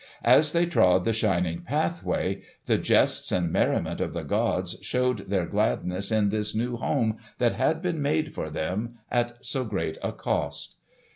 As they trod the shining pathway the jests and merriment of the gods showed their gladness in this new home that had been made for them at so great a cost.